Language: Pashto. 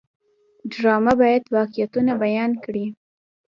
ډرامه باید واقعیتونه بیان کړي